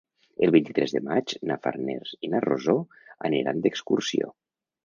El vint-i-tres de maig na Farners i na Rosó aniran d'excursió.